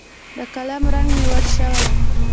د قلم رنګ مې وچ شوی